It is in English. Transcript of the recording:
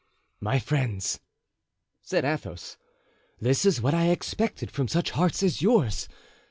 "My friends," said Athos, "this is what I expected from such hearts as yours.